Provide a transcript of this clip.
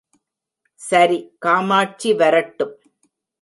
சரி காமாட்சி வரட்டும்.